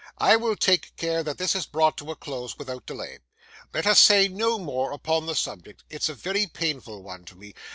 I will take care that this is brought to a close without delay. Let us say no more upon the subject; it's a very painful one to me.